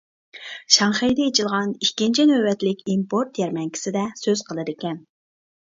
شاڭخەيدە ئېچىلغان ئىككىنچى نۆۋەتلىك ئىمپورت يەرمەنكىسىدە سۆز قىلىدىكەن.